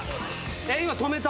今止めた？